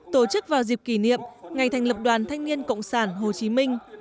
tổ chức vào dịp kỷ niệm ngày thành lập đoàn thanh niên cộng sản hồ chí minh